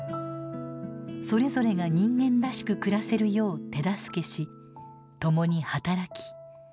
それぞれが人間らしく暮らせるよう手助けし共に働き共に笑う。